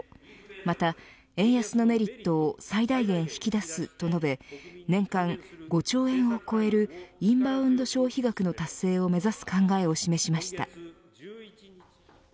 また円安のメリットを最大限引き出すと述べ年間５兆円を超えるインバウンド消費額の達成を目指す考えを示しました。